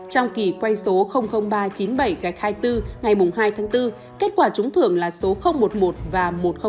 trong kỳ quay số ba trăm chín mươi bảy gạch hai mươi bốn ngày hai tháng bốn kết quả trúng thưởng là số một mươi một và một trăm linh